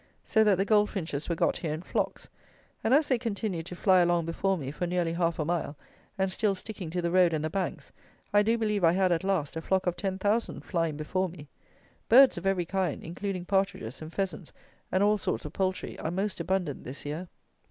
So that the goldfinches were got here in flocks, and as they continued to fly along before me for nearly half a mile, and still sticking to the road and the banks, I do believe I had, at last, a flock of ten thousand flying before me. Birds of every kind, including partridges and pheasants and all sorts of poultry, are most abundant this year.